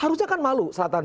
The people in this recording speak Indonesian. harusnya kan malu selatan